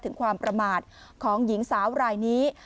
ถึงความประมาทของหญิงสาวรายนี้